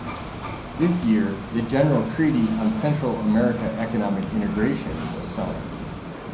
This year the General Treaty on Central America Economic Integration was signed.